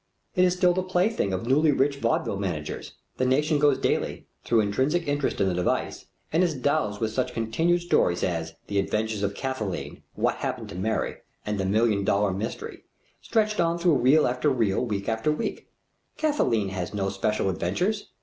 It is still the plaything of newly rich vaudeville managers. The nation goes daily, through intrinsic interest in the device, and is dosed with such continued stories as the Adventures of Kathlyn, What Happened to Mary, and the Million Dollar Mystery, stretched on through reel after reel, week after week. Kathlyn had no especial adventures.